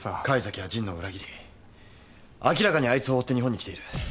甲斐崎は神野を裏切り明らかにあいつを追って日本に来ている。